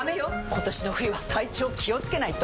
今年の冬は体調気をつけないと！